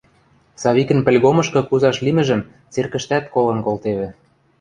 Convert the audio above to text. Савикӹн пӹлгомышкы кузаш лимӹжӹм церкӹштӓт колын колтевӹ.